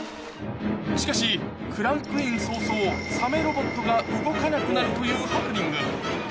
しかし、クランクイン早々、サメロボットが動かなくなるというハプニング。